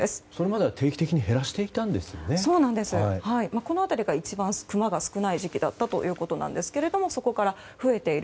この辺りが一番クマが少ない時期だったということですがそこから増えている。